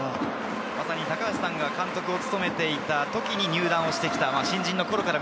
高橋さんが監督を務めていた時に入団してきた。